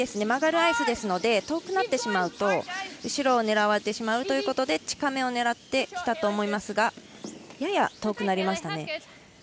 曲がるアイスですので遠くなってしまうと後ろを狙われてしまうということで近めを狙ってきたと思いますがやや遠くなりました。